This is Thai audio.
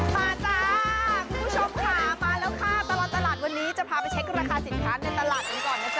จ้าคุณผู้ชมค่ะมาแล้วค่ะตลอดตลาดวันนี้จะพาไปเช็คราคาสินค้าในตลาดกันก่อนนะจ๊